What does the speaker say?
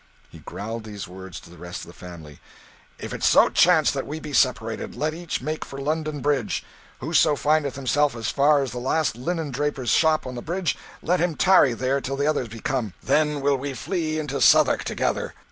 He growled these words to the rest of the family "If it so chance that we be separated, let each make for London Bridge; whoso findeth himself as far as the last linen draper's shop on the bridge, let him tarry there till the others be come, then will we flee into Southwark together."